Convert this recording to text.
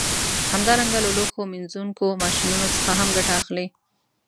همدارنګه له لوښو مینځونکو ماشینونو څخه هم ګټه اخلي